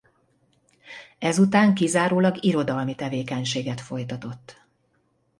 Ezután kizárólag irodalmi tevékenységet folytatott.